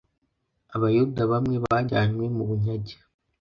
Abayuda bamwe bajyanywe mu bunyage